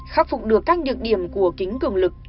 khắc phục được các nhược điểm của kính cường lực